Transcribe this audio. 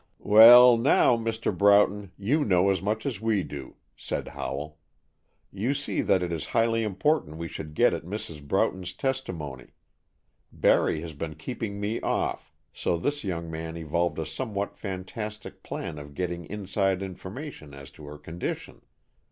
"Well now, Mr. Broughton, you know as much as we do," said Howell. "You see that it is highly important we should get at Mrs. Broughton's testimony. Barry has been keeping me off, so this young man evolved a somewhat fantastic plan of getting inside information as to her condition.